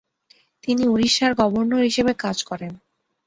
তিনি উড়িষ্যার গভর্নর হিসেবে কাজ করেন।